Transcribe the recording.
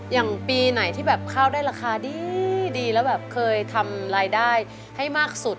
อย่างปีไหนที่แบบข้าวได้ราคาดีแล้วแบบเคยทำรายได้ให้มากสุด